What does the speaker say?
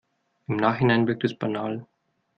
Im Nachhinein wirkt es banal.